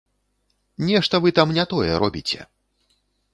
Нешта вы там не тое робіце!